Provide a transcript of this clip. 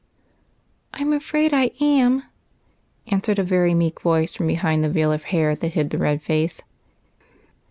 " I 'm afraid I am," answered a very meek voice from behind the veil of hair that hid the red face.